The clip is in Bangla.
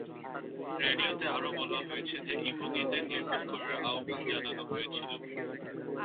রেডিওতে আরও বলা হয়েছে যে ইহুদিদের নির্মূল করার আহ্বান জানানো হয়েছিল।